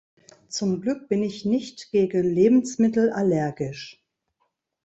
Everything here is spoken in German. Zum Glück bin ich nicht gegen Lebensmittel allergisch.